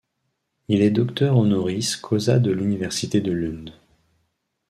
Il est docteur honoris causa de l’Université de Lund.